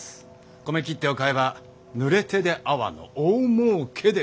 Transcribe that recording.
米切手を買えば濡れ手で粟の大もうけでございます。